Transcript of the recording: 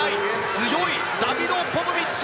強い、ダビド・ポポビッチ！